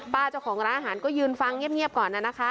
เจ้าของร้านอาหารก็ยืนฟังเงียบก่อนนะคะ